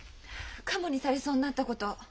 カモにされそうになったこと。